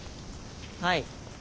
はい。